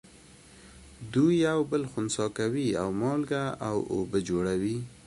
دوی یو بل خنثی کوي او مالګه او اوبه جوړوي.